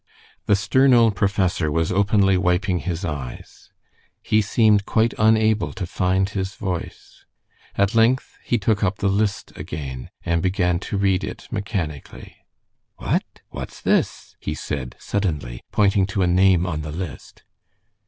The stern old professor was openly wiping his eyes. He seemed quite unable to find his voice. At length he took up the list again, and began to read it mechanically. "What! What's this?" he said, suddenly, pointing to a name on the list.